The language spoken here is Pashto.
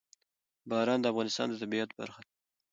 باران د افغانستان د طبیعت برخه ده.